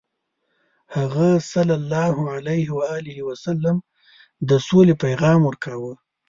هغه ﷺ د سولې پیغام ورکاوه.